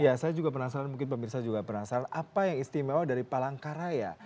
ya saya juga penasaran mungkin pemirsa juga penasaran apa yang istimewa dari palangkaraya